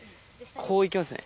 こういきますね。